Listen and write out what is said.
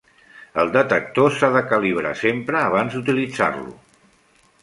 El detector s'ha de calibrar sempre abans d'utilitzar-lo.